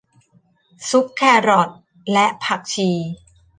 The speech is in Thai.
ซุปแครอทและผักชี